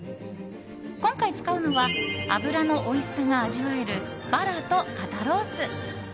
今回使うのは脂のおいしさが味わえるバラと肩ロース。